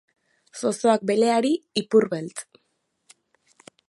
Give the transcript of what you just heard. Zozoak beleari, ipurbeltz!